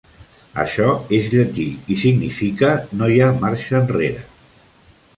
Això és llatí i significa "no hi ha marxa enrere".